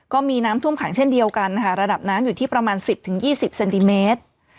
ก็มีน้ำท่วมขังเช่นเดียวกันนะคะระดับน้ำอยู่ที่ประมาณ๑๐๒๐เซนติเมตร